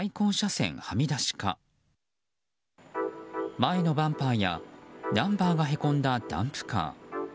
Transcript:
前のバンパーやナンバーがへこんだダンプカー。